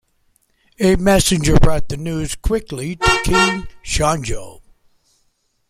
A messenger brought the news quickly to King Seonjo.